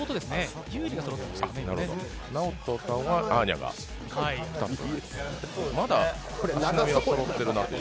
ＮＡＯＴＯさんはアーニャが２つ。